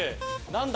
何だ？